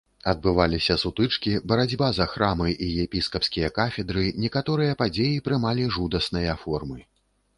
Адбываліся сутычкі, барацьба за храмы і епіскапскія кафедры, некаторыя падзеі прымалі жудасныя формы.